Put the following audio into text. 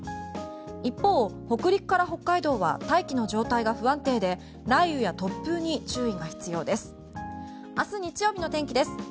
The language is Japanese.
一方、北陸から北海道は大気の状態が不安定で雷雨や突風に注意が必要です。